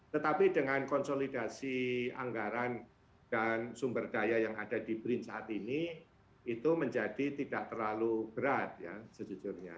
tetapi dengan konsolidasi anggaran dan sumber daya yang ada di brin saat ini itu menjadi tidak terlalu berat ya sejujurnya